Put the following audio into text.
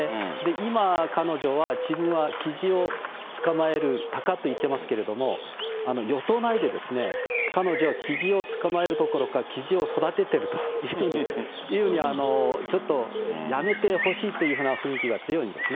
今、彼女は、自分はキジを捕まえるタカと言ってますけれども、与党内で、彼女はキジを捕まえるどころか、キジを育ててるというふうに、ちょっと辞めてほしいというふうな雰囲気が強いんですね。